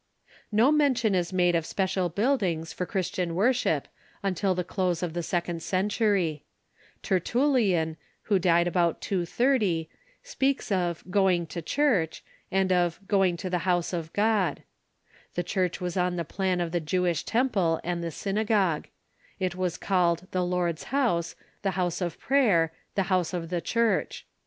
No mention is made of special buildings for Christian wor ship till the close of the second century. Tertullian {De Idol., cap. 7 ; De Cor., cap. 3), who died about 230, speaks of Church " Qoingr to church," and of "going to the house of Buildings &' t> » God." The church was on the plan of the Jewish tem ple and the synagogue. It was called the Lord's house, the house of prayer, the house of the Church.